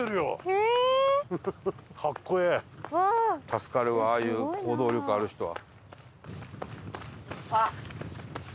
助かるわああいう行動力ある人は。